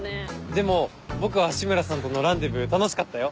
でも僕は紫村さんとのランデブー楽しかったよ。